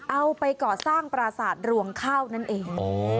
เอาไปก่อสร้างปราสาทรวงข้าวนั่นเอง